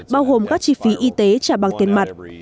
bao gồm các chi phí y tế trả bằng tiền mặt